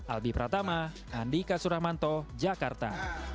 albi pratama andika suramanto jakarta